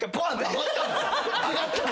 ・上がった？